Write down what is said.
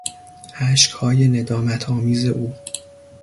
اشکهای ندامت آمیز او